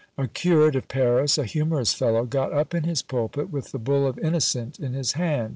A curate of Paris, a humorous fellow, got up in his pulpit with the bull of Innocent in his hand.